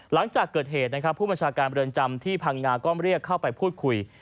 หลังจากเกิดเหตุผู้บริเวณจำที่ภังงาก็ไม่เรียกเข้าไปพูดคุย